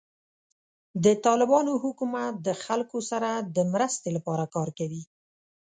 د طالبانو حکومت د خلکو سره د مرستې لپاره کار کوي.